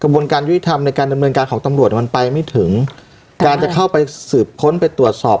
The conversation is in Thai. วนการยุติธรรมในการดำเนินการของตำรวจมันไปไม่ถึงการจะเข้าไปสืบค้นไปตรวจสอบ